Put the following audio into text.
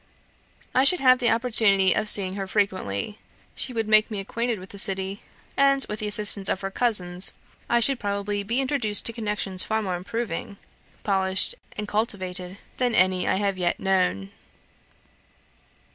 I should have the opportunity of seeing her frequently; she would make me acquainted with the city; and, with the assistance of her cousins, I should probably be introduced to connections far more improving, polished, and cultivated, than any I have yet known.